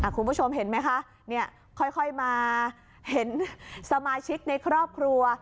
คุณผู้ชมเห็นไหมคะค่อยมาเห็นสมาชิกในครอบครัว